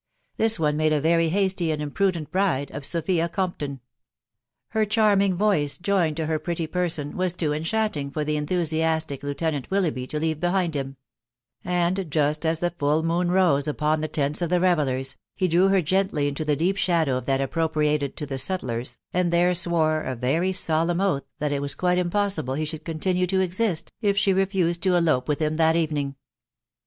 This one made a very hasty and impru dent bride of Sophia Compton. Her charming voice, joined to her pretty person, was too enchanting for the enthusiastic Lieutenant YVilkmghby to kave behind him ; and just as the full moon rose upon the tents of the revellers, he drew her gently into the deep shadow of that appropriated to the sutlers, and there swore a very solemn oath that it was quite impos sible he should covtanue to exist, if she refused to elope with hjsjs that evening.